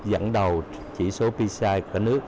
dẫn đầu chỉ số pci của cả nước